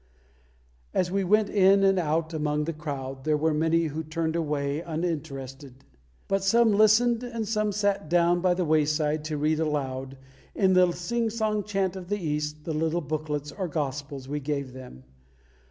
As we went in and out among the crowd, there were many who turned away uninterested; but some listened, and some sat down by the wayside to read aloud, in the sing song chant of the East, the little booklets or Gospels we gave them.